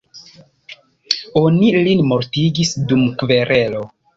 Oni lin mortigis dum kverelo.